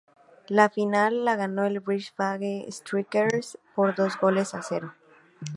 La final la ganó el Brisbane Strikers, por dos goles a cero.